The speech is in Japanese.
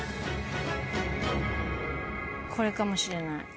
これかもしれない。